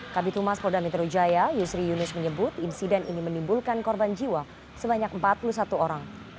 kabitumas kodamitrojaya yusri yunus menyebut insiden ini menimbulkan korban jiwa sebanyak empat puluh satu orang